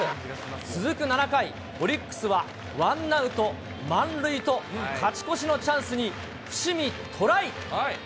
続く７回、オリックスはワンアウト満塁と勝ち越しのチャンスに伏見トライ。